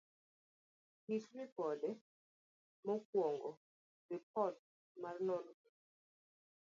kit ripode. mokuongo, Ripot mar nonro